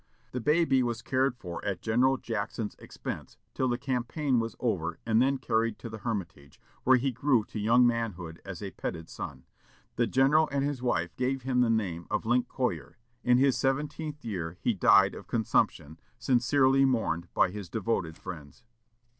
The baby was cared for at General Jackson's expense till the campaign was over, and then carried to the Hermitage, where he grew to young manhood as a petted son. The general and his wife gave him the name of Lincoyer. In his seventeenth year he died of consumption, sincerely mourned by his devoted friends.